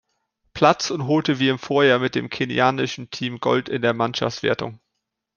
Platz und holte wie im Vorjahr mit dem kenianischen Team Gold in der Mannschaftswertung.